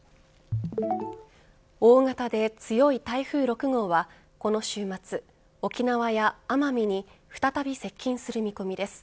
大型で強い台風６号はこの週末、沖縄や奄美に再び接近する見込みです。